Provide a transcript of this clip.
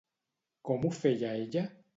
Com ho feia ella?